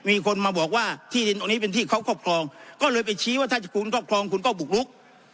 มีคนมาบอกว่าที่ดินตรงนี้เป็นที่เขาครอบครองก็เลยไปชี้ว่าถ้าคุณครอบครองคุณก็บุกลุก